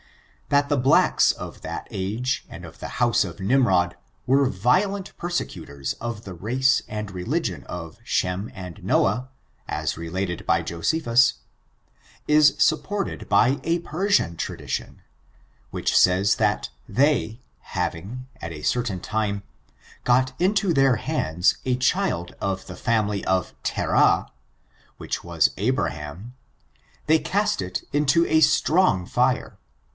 That the blacks of that age and of the house of Nimrod were violent persecutors of the race and re ligion of Shem and Noah, as related by Josephus, is supported by a Persian tradition^ which says that they having, at a certain time, got into their hands a child of the family of Terah, which was Abraham^ they cast it into a strong fire.